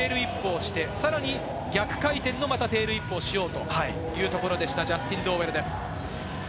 テールウィップをして、さらに逆回転のテールウィップをしようというところでした、ジャスティン・ドーウェルです。